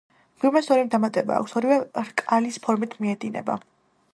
მღვიმეს ორი დამატება აქვს, ორივე რკალის ფორმით მიედინება.